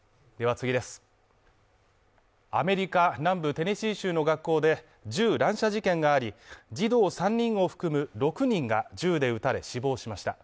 アメリカ南部テネシー州の学校で銃乱射事件があり、児童３人を含む６人が銃で撃たれ死亡しました。